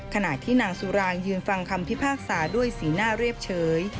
ขณะที่นางสุรางยืนฟังคำพิพากษาด้วยสีหน้าเรียบเฉย